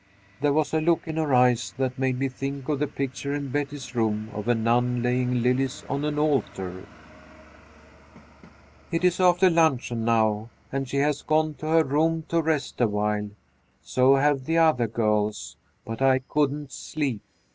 There was a look in her eyes that made me think of the picture in Betty's room of a nun laying lilies on an altar. "It is after luncheon now, and she has gone to her room to rest awhile. So have the other girls. But I couldn't sleep.